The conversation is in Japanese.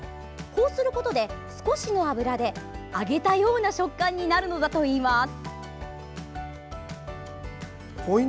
こうすることで少しの油で揚げたような食感になるのだといいます。